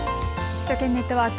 首都圏ネットワーク。